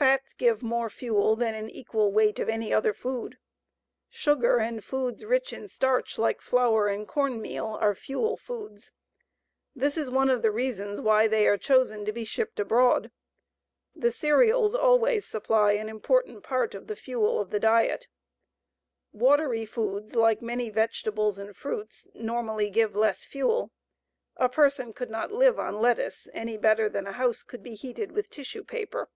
Fats give more fuel than an equal weight of any other food. Sugar and foods rich in starch like flour and corn meal are fuel foods. This is one of the reasons why they are chosen to be shipped abroad. The cereals always supply an important part of the fuel of the diet. Watery foods, like many vegetables and fruits, normally give less fuel. A person could not live on lettuce any better than a house could be heated with tissue paper.